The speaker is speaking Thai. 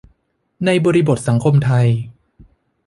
ในบริบทสังคมไทย